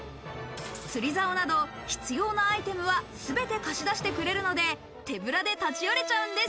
釣り竿など必要なアイテムは全て貸し出してくれるので、手ぶらで立ち寄れちゃうんです。